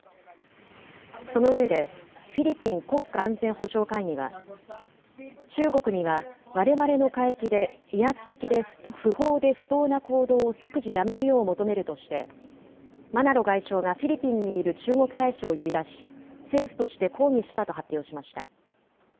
その上で、フィリピン国家安全保障会議は、中国にはわれわれの海域で、威圧的で不法で不当な行動を即時やめるよう求めるとして、マナロ外相がフィリピンにいる中国大使を呼び出し、政府として抗議したと発表しました。